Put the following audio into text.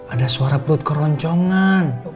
ada suara perut keroncongan